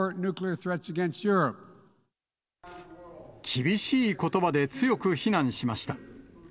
厳しいことばで強く非難しました。